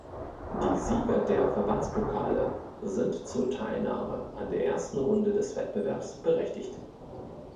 Die Sieger der Verbandspokale sind zur Teilnahme an der ersten Runde des Wettbewerbs berechtigt.